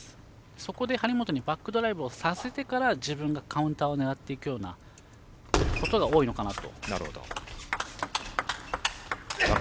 そこで張本にバックドライブをさせてから自分がカウンターを狙っていくことが多いのかなと。